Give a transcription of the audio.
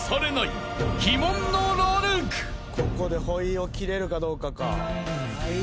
ここでほいを切れるかどうかか。